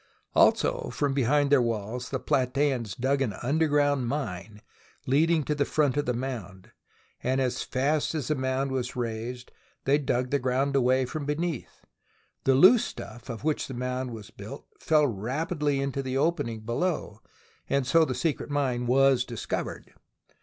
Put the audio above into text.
Also, from behind their walls the Platseans dug an underground mine leading to the front of the mound, and as fast as the mound was raised they dug the ground away from beneath. The loose stuff of which the mound was built fell away rapidly into the opening below and so the secret mine was discovered.